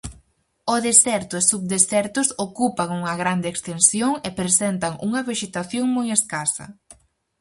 O deserto e subdesertos ocupan unha grande extensión e presentan unha vexetación moi escasa.